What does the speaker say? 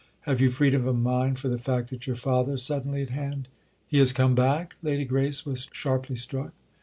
"Have you freedom of mind for the fact that your father's suddenly at hand?" "He has come back?"—Lady Grace was sharply struck.